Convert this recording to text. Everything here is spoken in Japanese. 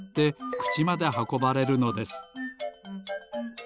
くちまではこばれるのです。